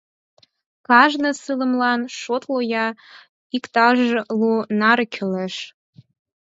Кажне сылымлан, шотло-я, иктаж лу наре кӱлеш...